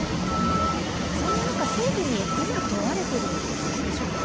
そんな中、政府に今問われているのは何でしょうか。